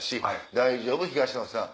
「大丈夫東野さん」。